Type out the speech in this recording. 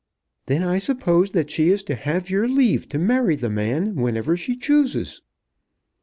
"Then I suppose that she is to have your leave to marry the man whenever she chooses!"